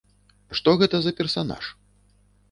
Што гэта за персанаж?